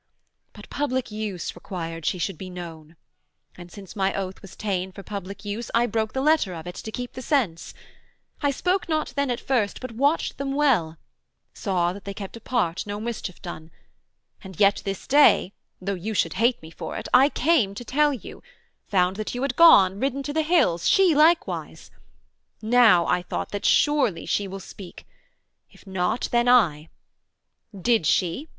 But public use required she should be known; And since my oath was ta'en for public use, I broke the letter of it to keep the sense. I spoke not then at first, but watched them well, Saw that they kept apart, no mischief done; And yet this day (though you should hate me for it) I came to tell you; found that you had gone, Ridden to the hills, she likewise: now, I thought, That surely she will speak; if not, then I: Did she?